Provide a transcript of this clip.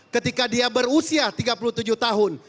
ketika dia berusia tiga puluh tujuh tahun